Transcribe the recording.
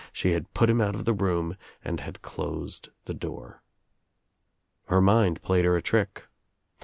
She had put him out of the room and had closed the door. Her mind played her a trick.